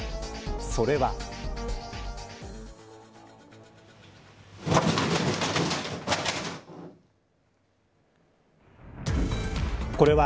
それは。